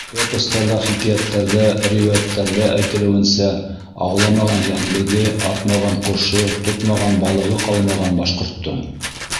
Эпостарҙа, хикәйәттәрҙә, риүәйәттәрҙә әйтелеүенсә, ауламаған йәнлеге, атмаған ҡошо, тотмаған балығы ҡалмаған башҡорттоң.